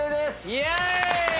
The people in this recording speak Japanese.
イエーイ！